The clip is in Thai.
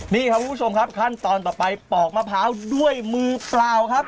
นี่ครับคุณผู้ชมครับขั้นตอนต่อไปปอกมะพร้าวด้วยมือเปล่าครับ